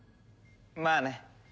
まあね。